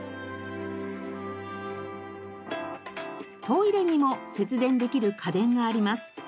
トイレにも節電できる家電があります。